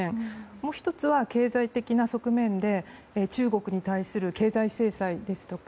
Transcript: もう１つは経済的な側面で中国に対する経済制裁ですとか